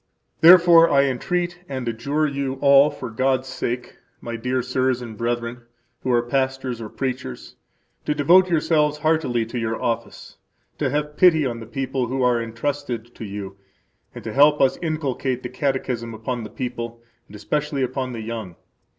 Therefore I entreat [and adjure] you all for God's sake, my dear sirs and brethren, who are pastors or preachers, to devote yourselves heartily to your office, to have pity on the people who are entrusted to you, and to help us inculcate the Catechism upon the people, and especially upon the young.